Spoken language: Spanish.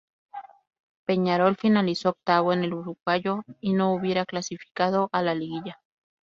Peñarol finalizó octavo en el Uruguayo y no hubiera clasificado a la Liguilla.